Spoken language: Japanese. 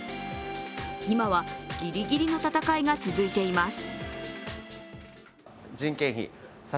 今はギリギリの戦いが続いています。